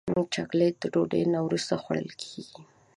چاکلېټ د ډوډۍ نه وروسته خوړل کېږي.